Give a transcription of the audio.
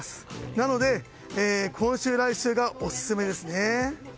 なので今週、来週がオススメですね。